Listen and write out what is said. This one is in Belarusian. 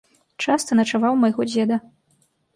Часта начаваў у майго дзеда.